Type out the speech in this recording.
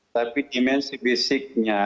tapi dimensi basicnya